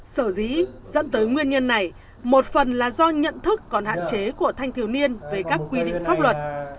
sở dĩ dẫn tới nguyên nhân này một phần là do nhận thức còn hạn chế của thanh thiếu niên về các quy định pháp luật